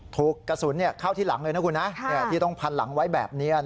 ถูกกระสุนเข้าที่หลังเลยนะคุณนะที่ต้องพันหลังไว้แบบนี้